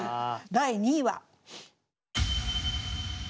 第２位は。